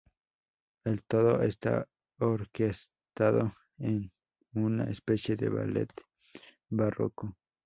El todo está orquestado en una especie de ballet barroco.